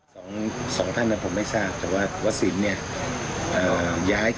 ก็เลยยังไม่ได้ส่งตัวกลับไปที่ระหว่าง